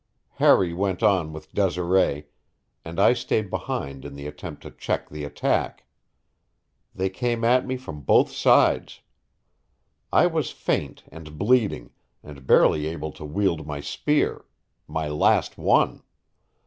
Harry went on with Desiree, and I stayed behind in the attempt to check the attack. They came at me from both sides. I was faint and bleeding, and barely able to wield my spear my last one.